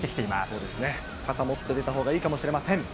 そうですね、傘持って出たほうがいいかもしれません。